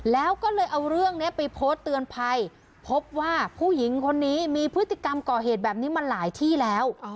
แล้วก็เลยเอาเรื่องนี้ไปโพสต์เตือนภัยพบว่าผู้หญิงคนนี้มีพฤติกรรมก่อเหตุแบบนี้มาหลายที่แล้ว